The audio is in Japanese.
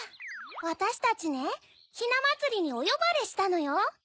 わたしたちねひなまつりにおよばれしたのよ。